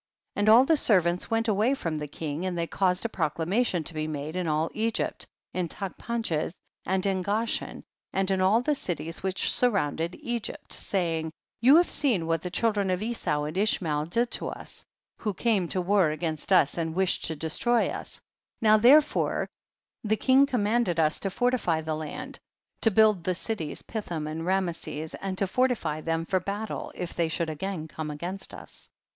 16. And all the servants went away from the king, and they caused a proclamation to be made in all Egypt, in Taclipanches and in Gosh en, and in all the cities which sur rounded Egypt, saying, 17. You have seen what the child ren of Esau and Ishmacl did to us, who came to war against us and wish ed to destroy us ; 18. Now therefore tlie king com manded us to fortify the land, to build the cities Pithom and Rameses, and to fortify them for battle, if they should again come against us.